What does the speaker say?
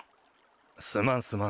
すまんすまん。